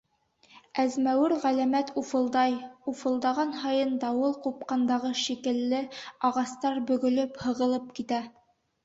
Әзмәүер ғәләмәт уфылдай, уфылдаған һайын, дауыл ҡупҡандағы шикелле, ағастар бөгөлөп-һығылып китә.